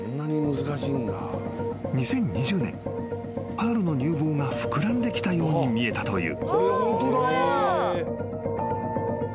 パールの乳房が膨らんできたように見えたという］